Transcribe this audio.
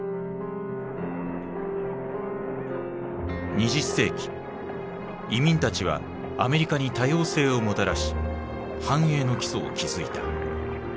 ２０世紀移民たちはアメリカに多様性をもたらし繁栄の基礎を築いた。